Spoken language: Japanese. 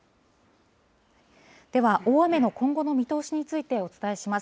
では、大雨の今後の見通しについてお伝えします。